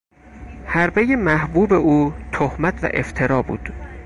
حربهی محبوب او تهمت و افترا بود.